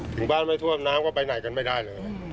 ถึงบ้านไม่ท่วมน้ำก็ไปไหนกันไม่ได้เลย